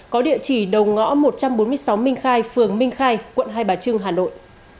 có địa chỉ đầu ngõ một trăm bốn mươi sáu minh khai phường minh khai quận hai bà trưng hà nội